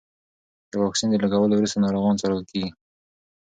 د واکسین د لګولو وروسته ناروغان څارل کېږي.